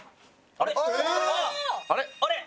あれ？